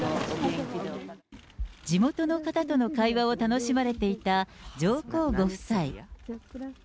地元の方との会話を楽しまれていた上皇ご夫妻。